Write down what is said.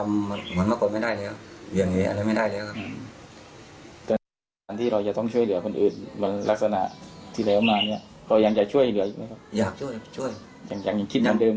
อย่างคิดเหมือนเดิมอย่างคิดเหมือนเดิมครับช่วยทุกอย่าง